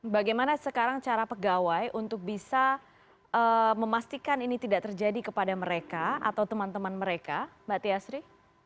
bagaimana sekarang cara pegawai untuk bisa memastikan ini tidak terjadi kepada mereka atau teman teman mereka mbak tiasri